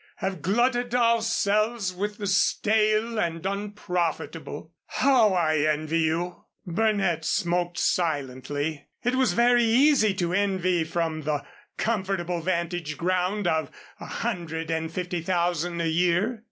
_ have glutted ourselves with the stale and unprofitable. How I envy you!" Burnett smoked silently. It was very easy to envy from the comfortable vantage ground of a hundred and fifty thousand a year.